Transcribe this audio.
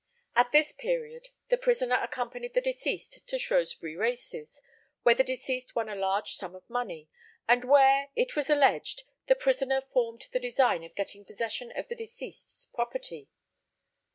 At this period, the prisoner accompanied the deceased to Shrewsbury races, where the deceased won a large sum of money, and where, it was alleged, the prisoner formed the design of getting possession of the deceased's property.